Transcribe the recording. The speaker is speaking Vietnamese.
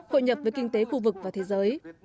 hội nhập với kinh tế khu vực và thế giới